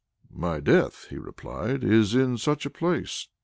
"My death," he replied, "is in such a place.